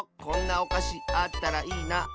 「こんなおかしあったらいいな」。